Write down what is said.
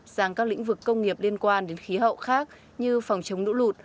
sang các lĩnh vực công nghiệp liên quan đến khí hậu khác như phòng chống lũ lụt